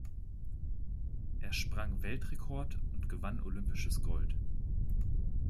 Er sprang Weltrekord und gewann olympisches Gold.